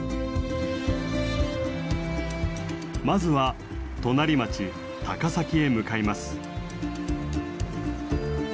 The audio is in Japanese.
まずは隣町高崎へ向かいます。